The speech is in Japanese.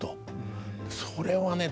「それはね